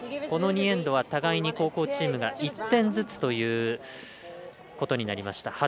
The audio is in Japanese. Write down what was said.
この２エンドは互いに後攻チームが１点ずつということになりました。